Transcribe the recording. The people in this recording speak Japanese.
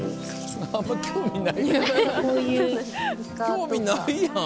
興味ないやん。